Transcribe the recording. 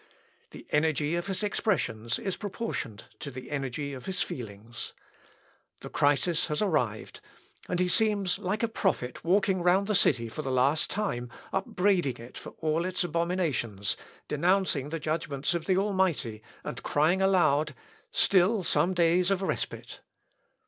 The energy of his expressions is proportioned to the energy of his feelings. The crisis has arrived, and he seems like a prophet walking round the city for the last time, upbraiding it for all its abominations, denouncing the judgments of the Almighty, and crying aloud, "Still some days of respite."